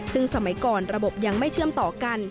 ซึ่งสมัยก่อนระบบยังไม่เชื่อมต่อกัน